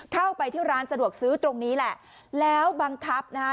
เข้าไปที่ร้านสะดวกซื้อตรงนี้แหละแล้วบังคับนะฮะ